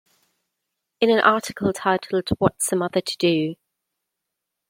In an article titled What's a Mother to Do?